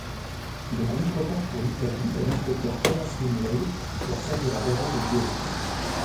Le groupe repart pour l'Italie et l'inspecteur Thomas Lynley leur servira d'agent de liaison.